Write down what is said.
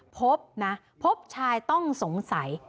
พบนะพบชายต้องสงสัย